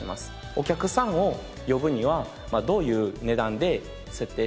お客さんを呼ぶにはどういう値段で設定したらいいかなとか。